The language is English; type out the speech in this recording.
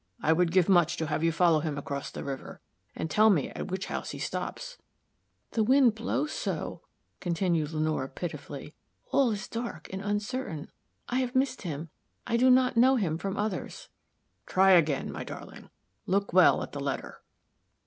I would give much to have you follow him across the river, and tell me at what house he stops." "The wind blows so," continued Lenore, pitifully; "all is dark and uncertain. I have missed him I do not know him from others." "Try again, my darling. Look well at the letter."